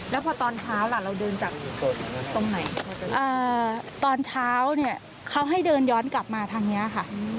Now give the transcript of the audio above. แล้วพอตอนเช้าล่ะเราเดินจากตรงไหนตอนเช้าเนี่ยเขาให้เดินย้อนกลับมาทางนี้ค่ะ